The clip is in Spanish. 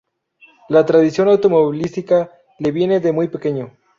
La tradición automovilística le viene de muy pequeño.